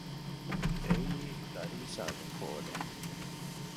އެއީ ލަރީސާގެ ކޯލެއް